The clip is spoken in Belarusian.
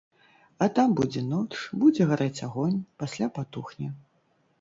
А там будзе ноч, будзе гарэць агонь, пасля патухне.